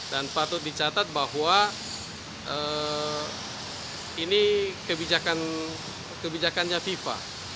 dan patut dicatat bahwa ini kebijakannya fifa